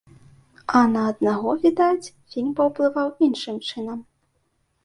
А на аднаго, відаць, фільм паўплываў іншым чынам.